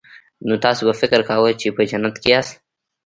نو تاسو به فکر کاوه چې په جنت کې یاست